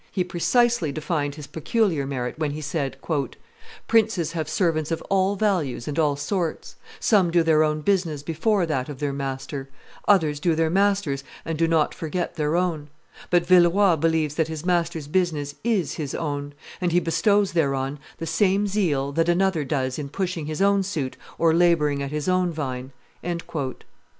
He precisely defined his peculiar merit when he said, "Princes have servants of all values and all sorts; some do their own business before that of their master; others do their master's and do not forget their own; but Villeroi believes that his master's business is his own, and he bestows thereon the same zeal that another does in pushing his own suit or laboring at his own vine."